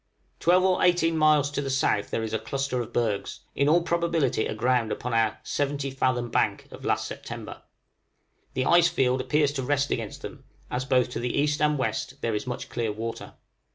Twelve or eighteen miles to the south there is a cluster of bergs, in all probability aground upon our "70 fathom bank" of last September. The ice field appears to rest against them, as both to the east and west there is much clear water.